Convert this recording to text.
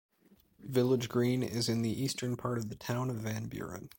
Village Green is in the eastern part of the town of Van Buren.